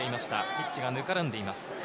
ピッチがぬかるんでいます。